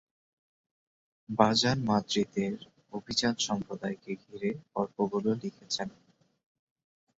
বাজান মাদ্রিদের অভিজাত সম্প্রদায়কে ঘিরে গল্পগুলো লিখেছেন।